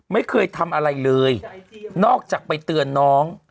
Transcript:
ไม่เคยทำอะไรเลยนอกจากไปเตือนน้อง